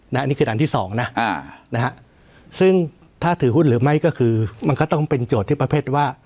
อันนี้คืออันที่สองนะซึ่งถ้าถือหุ้นหรือไม่ก็คือมันก็ต้องเป็นโจทย์ที่ประเภทว่า